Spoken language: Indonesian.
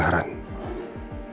kasian juga si elsa